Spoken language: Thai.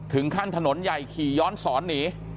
ถึงขั้นถนนใหญ่ขี่ย้อนสอนหนี